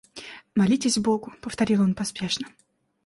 Молитесь Богу, — повторил он поспешно.